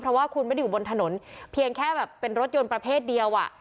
เพราะว่าคุณไม่ได้อยู่บนถนนเพียงแค่แบบเป็นรถยนต์ประเภทเดียวอ่ะ